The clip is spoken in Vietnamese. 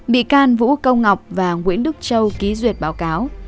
bị can vũ công ngọc và nguyễn đức châu ký duyệt báo cáo